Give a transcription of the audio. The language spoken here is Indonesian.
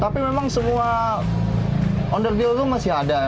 tapi memang semua underfield itu masih ada pak